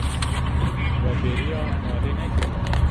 We bêriya malê nekiriye.